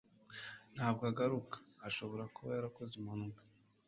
Ntabwo aragaruka. Ashobora kuba yarakoze impanuka.